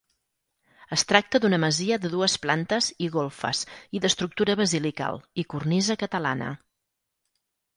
Es tracta d'una masia de dues plantes i golfes i d'estructura basilical i cornisa catalana.